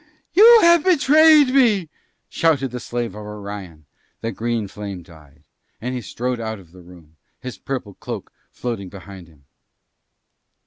"You have betrayed me!" shouted the Slave of Orion: the green flame died, and he strode out of the room, his purple cloak floating behind him.